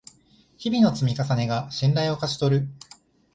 日々の積み重ねが信頼を勝ち取る